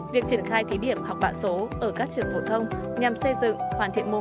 việc triển khai thí điểm học bạ số ở các trường phổ thông nhằm xây dựng hoàn thiện mô hình